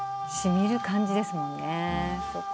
染みる感じですもんね。